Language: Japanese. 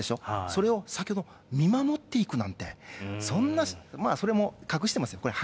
それを見守っていくなんて、そんなまあ、それも隠してますよ、これ。